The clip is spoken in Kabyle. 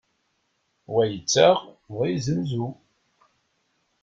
Wa yettaɣ, wa yeznuzu.